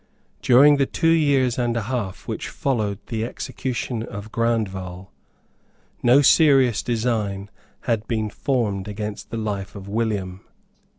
During the two years and a half which followed the execution of Grandval, no serious design had been formed against the life of William.